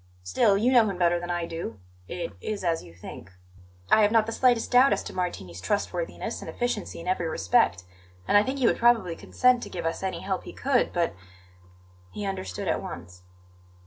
Still, you know him better than I do; it is as you think." "I have not the slightest doubt as to Martini's trustworthiness and efficiency in every respect; and I think he would probably consent to give us any help he could. But " He understood at once.